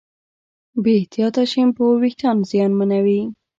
بې احتیاطه شیمپو وېښتيان زیانمنوي.